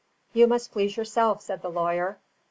"You must please yourself," said the lawyer.